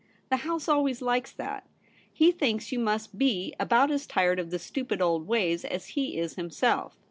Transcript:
The House always likes that. He thinks you must be about as tired of the stupid old ways as he is himself.